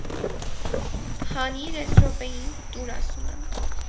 Հանիր էս րոպեին, տուր, ասում եմ: